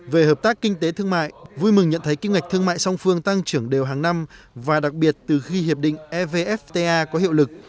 về hợp tác kinh tế thương mại vui mừng nhận thấy kinh ngạch thương mại song phương tăng trưởng đều hàng năm và đặc biệt từ khi hiệp định evfta có hiệu lực